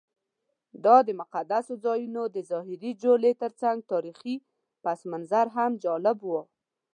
دا د مقدسو ځایونو د ظاهري جولې ترڅنګ تاریخي پسمنظر هم جالب و.